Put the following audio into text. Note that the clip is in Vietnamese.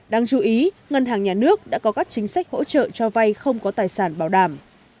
đáng chú ý ngân hàng nhà nước đã có các chính sách hỗ trợ cho vay không có tài sản bảo đảm